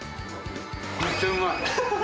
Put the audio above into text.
めっちゃうまい。